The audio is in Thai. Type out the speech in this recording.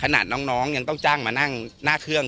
น้องยังต้องจ้างมานั่งหน้าเครื่อง